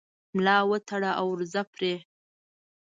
ملا وتړه او ورځه پرې